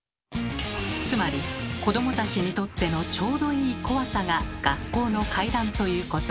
つまり子どもたちにとっての「ちょうどいい怖さ」が学校の怪談ということ。